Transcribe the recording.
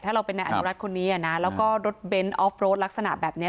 ถ้าเราเป็นนายอนุรัติคนนี้นะแล้วก็รถเบนท์ออฟโรดลักษณะแบบนี้